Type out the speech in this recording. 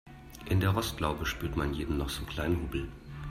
In der Rostlaube spürt man jeden noch so kleinen Hubbel.